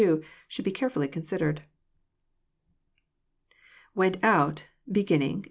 2 should be careftilly considered. [Wentout...higinning...